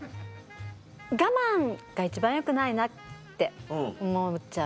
我慢が一番よくないなって思っちゃうので。